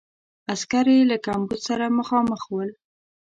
عسکر یې له کمبود سره مخامخ ول.